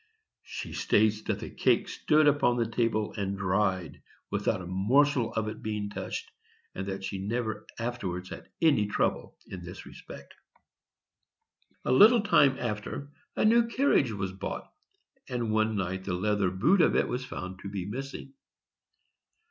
She states that the cake stood upon the table and dried, without a morsel of it being touched, and that she never afterwards had any trouble in this respect. A little time after, a new carriage was bought, and one night the leather boot of it was found to be missing.